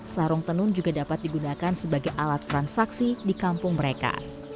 sarung tenun juga dapat digunakan sebagai alat transaksi di kampung mereka